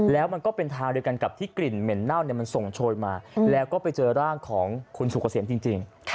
แล้วมันก็เป็นทางเดียวกันกับที่กลิ่นเหม็นเน่ามันส่งโชยมาแล้วก็ไปเจอร่างของคุณสุกเกษมจริง